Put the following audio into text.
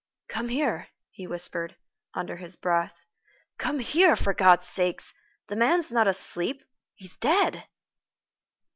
"Come here," he whispered, under his breath. "Come here, for God's sake! The man's not asleep he is dead."